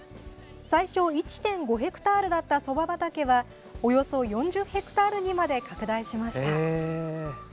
最初１．５ヘクタールだったそば畑はおよそ４０ヘクタールにまで拡大しました。